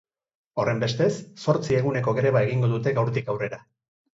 Horrenbestez, zortzi eguneko greba egingo dute gaurtik aurrera.